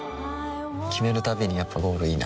決めるたびにやっぱゴールいいなってふん